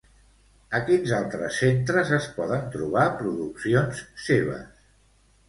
A quins altres centres es poden trobar produccions seves?